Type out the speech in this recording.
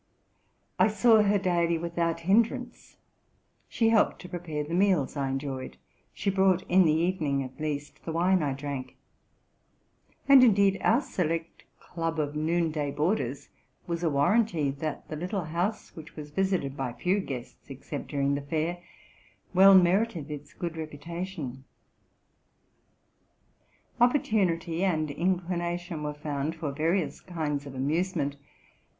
I saw her daily without hinderance ; she helped to prepare the meals I enjoyed; she brought, in the evening at least, the wine I drank ; and indeed our select club of noon day boarders was a warranty that the little house, which was visited by few guests except during the fair, well merited its good reputation. Opportunity and inclination were found for various kinds of amusement.